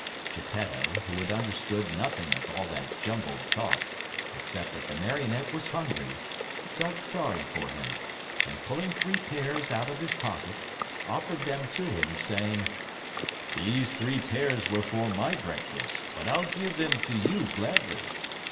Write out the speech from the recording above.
Geppetto, who had understood nothing of all that jumbled talk, except that the Marionette was hungry, felt sorry for him, and pulling three pears out of his pocket, offered them to him, saying: "These three pears were for my breakfast, but I give them to you gladly.